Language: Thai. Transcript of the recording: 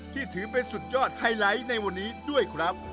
ที่ถือเป็นสุดยอดไฮไลท์ในวันนี้ด้วยครับ